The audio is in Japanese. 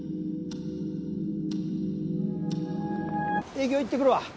営業行ってくるわ。